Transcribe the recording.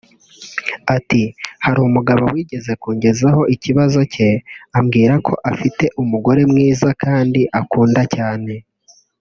Ati « Hari umugabo wigeze kungezaho ikibazo cye ambwira ko afite umugore mwiza kandi akunda cyane